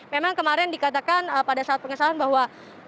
memang kemarin dikatakan pada saat pengesahan bahwa